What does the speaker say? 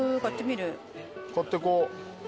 買ってこう。